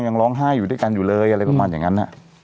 ยังร้องไห้อยู่ด้วยกันอยู่เลยอะไรประมาณอย่างนั้น